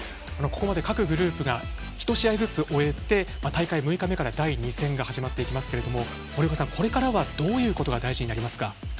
ここまで各グループがひと試合ずつ終えて大会６日目から第２戦が始まっていきますけれども森岡さん、これからどういうことが大事ですか。